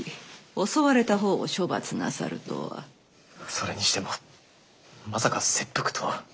それにしてもまさか切腹とは。